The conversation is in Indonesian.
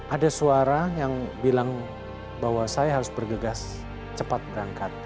ada suara yang bilang bahwa saya harus bergegas cepat berangkat